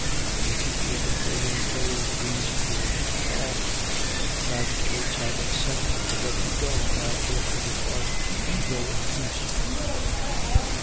16:36. And the keeper of the prison told these words to Paul: The magistrates have sent to let you go. Now therefore depart. And go in peace.